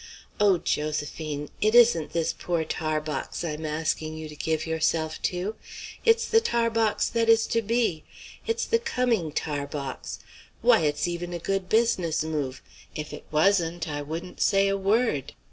O Josephine! it isn't this poor Tarbox I'm asking you to give yourself to; it's the Tarbox that is to be; it's the coming Tarbox! Why, it's even a good business move! If it wasn't I wouldn't say a word!